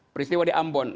peristiwa di ambon